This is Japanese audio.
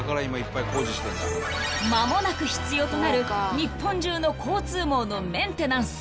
［間もなく必要となる日本中の交通網のメンテナンス］